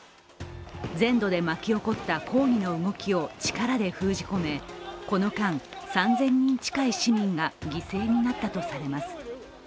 全土で巻き起こった抗議の動きを力で封じ込め、この間、３０００人近い市民が犠牲になったとされます。